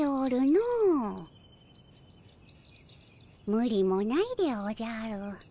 むりもないでおじゃる。